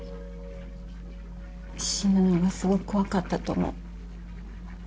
死ぬのがすごく怖かったと思う。